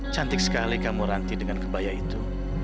cantik sekali kamu ranti dengan kebaya itu